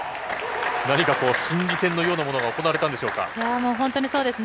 何かこう心理戦のようなものが行われたんでしょうか。